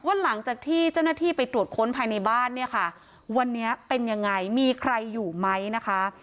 หลังจากที่เจ้าหน้าที่ไปตรวจค้นภายในบ้านเนี่ยค่ะวันนี้เป็นยังไงมีใครอยู่ไหมนะคะ